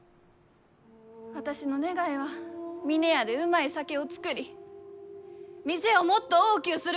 私の願いは峰屋でうまい酒を造り店をもっと大きゅうすること。